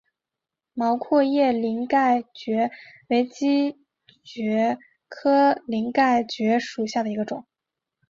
毛阔叶鳞盖蕨为姬蕨科鳞盖蕨属下的一个种。